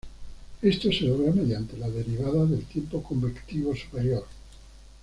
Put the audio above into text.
Esto se logra mediante la derivada del tiempo convectivo superior.